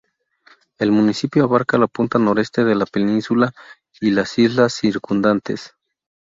El municipio abarca la punta noroeste de la península y las islas circundantes.